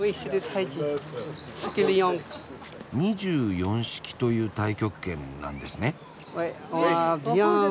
２４式という太極拳なんですね？